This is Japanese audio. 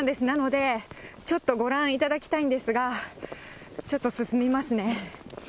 なので、ちょっとご覧いただきたいんですが、ちょっと進みますね。